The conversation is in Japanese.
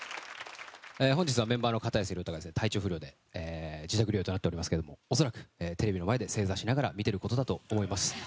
本日はメンバーの片寄が体調不良で辞退となっていますけど恐らくテレビの前で正座しながら見てることだと思います。